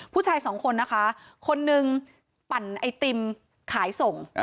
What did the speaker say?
ผู้ชายสองคนนะคะคนนึงปั่นไอติมขายส่ง